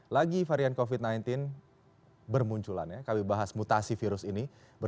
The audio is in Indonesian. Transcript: lagi varian covid sembilan belas bermunculan ya kami bahas mutasi virus ini